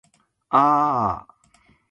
aaaa